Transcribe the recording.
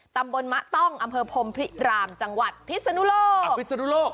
ตำบลมะต้องอำเภอพรมพิรามจังหวัดพิษฎุโลก